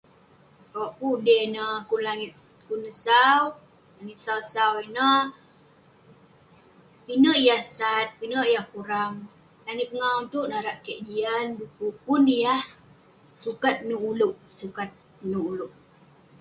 owk pun ude neh, pun langit, pun neh sau, langit sau sau ineh, pinek yah sat, pinek yah kurang, langit pengawu itouk narak keik jian, du'kuk pun yah sukat nouk ulouk, sukat nouk ulouk